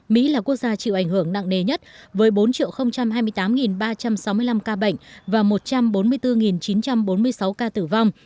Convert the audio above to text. mỹ là quốc gia chịu ảnh hưởng nặng nề nhất với bốn hai mươi tám ba trăm sáu mươi năm ca bệnh và một trăm bốn mươi bốn chín trăm bốn mươi sáu ca tử vong